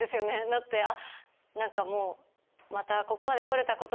だって何かもう。